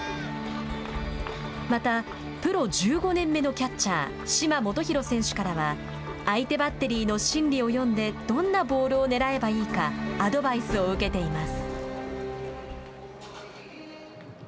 またプロ１５年目のキャッチャー嶋基宏選手からは相手バッテリーの心理を読んでどんなボールを狙えばいいかアドバイスを受けています。